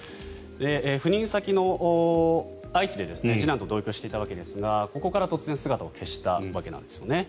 赴任先の愛知で次男と同居していたわけですがここから突然姿を消したわけなんですね。